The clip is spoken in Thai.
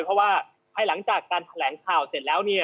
เพราะว่าไปหลังจากการแถลงข่าวเสร็จแล้ว